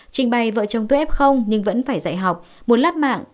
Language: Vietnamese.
trình bày vợ chồng tôi f nhưng vẫn phải dạy học muốn lắp mạng